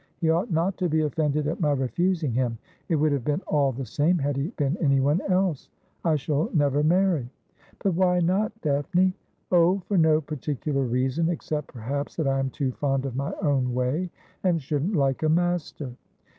He ought not to be offended at my refusing him. It would have been all the same had he been anyone else. I shall never marry.' ' But why not. Daphne ?'' Oh, for no particular reason : except perhaps that I am too fond of my own way, and shouldn't like a master.'